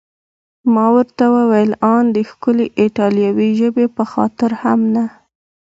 ما ورته وویل: ان د ښکلې ایټالوي ژبې په خاطر هم نه؟